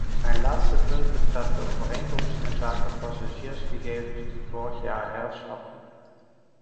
Mijn laatste punt betreft de overeenkomst inzake passagiersgegevens die vorig jaar herfst afliep.